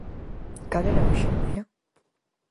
¿Cal era a urxencia?